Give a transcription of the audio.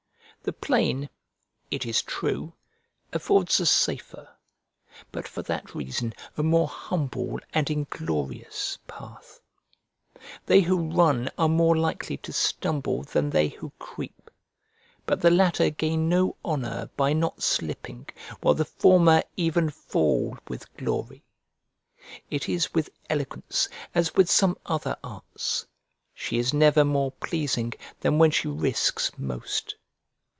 The plain, it is true, affords a safer, but for that reason a more humble and inglorious, path: they who run are more likely to stumble than they who creep; but the latter gain no honour by not slipping, while the former even fall with glory. It is with eloquence as with some other arts; she is never more pleasing than when she risks most.